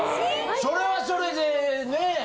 それはそれでねえ。